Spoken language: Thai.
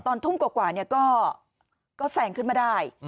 ตอนทุ่มกว่าก็แซงขึ้นมาได้